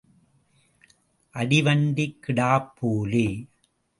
அடிவண்டிக் கிடாப் போலே.